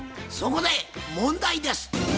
そこで問題です！